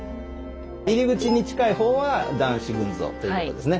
入り口に近い方は「男子群像」ということですね。